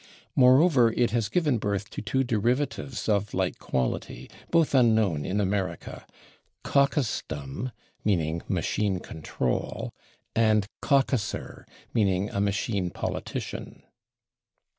Moreover, it has given birth to two derivatives of like quality, both unknown in America /caucusdom/, meaning machine control, and /caucuser/, meaning a machine politician.